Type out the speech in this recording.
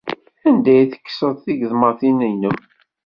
Anda ay tekkseḍ tigeḍmatin-nnem?